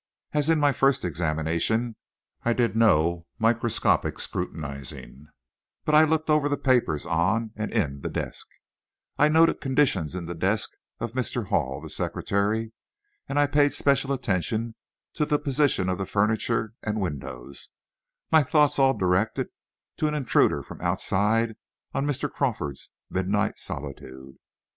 As in my first examination, I did no microscopic scrutinizing; but I looked over the papers on and in the desk, I noted conditions in the desk of Mr. Hall, the secretary, and I paid special attention to the position of the furniture and windows, my thoughts all directed to an intruder from outside on Mr. Crawford's midnight solitude.